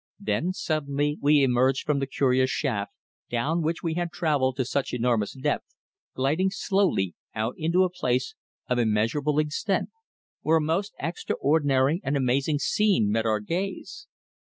Then suddenly we emerged from the curious shaft down which we had travelled to such enormous depth, gliding slowly out into a place of immeasurable extent, where a most extraordinary and amazing scene met our gaze.